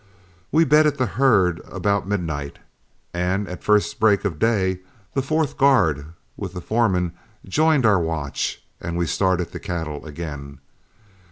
We bedded the herd about midnight; and at the first break of day, the fourth guard with the foreman joined us on our watch and we started the cattle again.